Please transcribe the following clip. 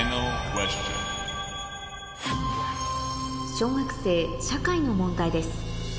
小学生社会の問題です